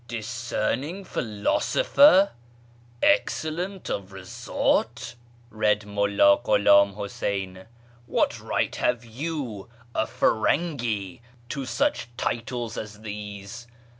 "' Discerning philosopher,' ' excellent of resort,' " read MuUa Ghulam Huseyn. " What right have you, a Firangi, to such titles as these